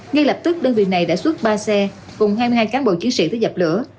ngay lập tức đơn vị này đã xuất ba xe cùng hai mươi hai cán bộ chiến sĩ tới dập lửa